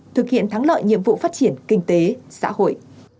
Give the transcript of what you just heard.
thực hiện thắng lợi nhiệm vụ phát triển kinh tế xã hội